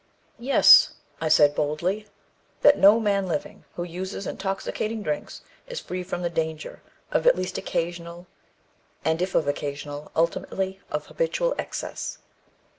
Yes, I say boldly, that no man living who uses intoxicating drinks, is free from the danger of at least occasional, and if of occasional, ultimately of habitual excess.